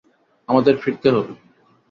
আমাদের ফিরতে হবে।